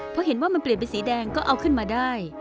พอเห็นว่ามันเปลี่ยนเป็นสีแดงก็เอาขึ้นมาได้